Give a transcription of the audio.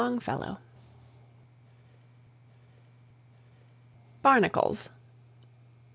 LONGFELLOW. BARNACLES.